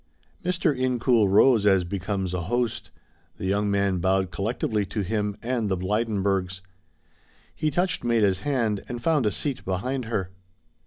Mr. Incoul rose as becomes a host. The young man bowed collectively to him and the Blydenburgs. He touched Maida's hand and found a seat behind her.